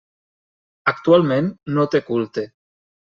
Actualment no té culte.